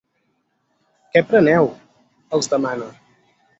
Què preneu? —els demana.